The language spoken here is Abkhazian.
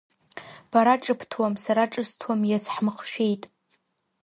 Бара ҿыбҭуам, сара ҿысҭуам, иац ҳмыхшәеит.